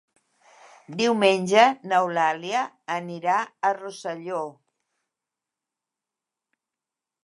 Diumenge n'Eulàlia anirà a Rosselló.